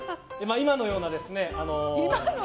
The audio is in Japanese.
今のような？